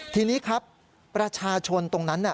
ทีนี้ครับประชาชนตรงนั้น